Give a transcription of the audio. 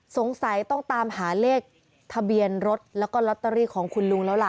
สงสัยต้องตามหาเลขทะเบียนรถแล้วก็ลอตเตอรี่ของคุณลุงแล้วล่ะ